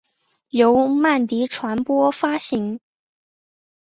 由曼迪传播发行。